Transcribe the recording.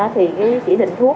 thì chỉ định thuốc